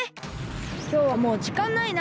きょうはもうじかんないな。